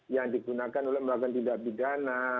yang digunakan oleh bahkan tidak pidana